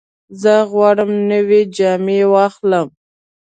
زه غواړم نوې جامې واخلم.